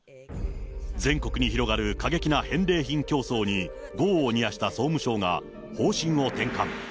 全国に広がる過激な返礼品競争に業を煮やした総務省が方針を転換。